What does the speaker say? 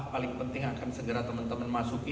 paling penting akan segera teman teman masuki